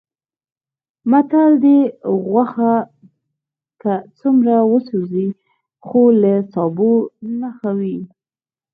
متل دی: غوښه که هرڅومره وسوځي، خو له سابو نه ښه وي.